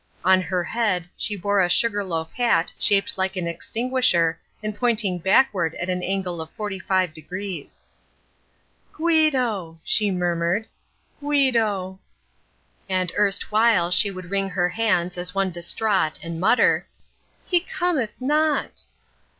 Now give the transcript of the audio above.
On her head she bore a sugar loaf hat shaped like an extinguisher and pointing backward at an angle of 45 degrees. "Guido," she murmured, "Guido." And erstwhile she would wring her hands as one distraught and mutter, "He cometh not."